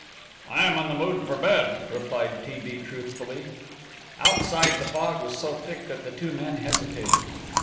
"I am in the mood for bed," replied T. B. truthfully. Outside the fog was so thick that the two men hesitated.